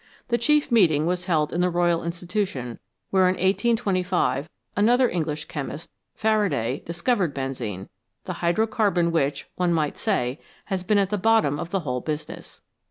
The chief meeting was held in the Royal Institution, where in 1825 another English chemist, Faraday, discovered benzene, the hydrocarbon which, one might say, has been at the bottom of the whole business.